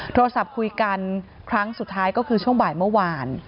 โทรศัพท์คุยกันครั้งสุดท้ายก็คือช่วงบ่ายเมื่อวาน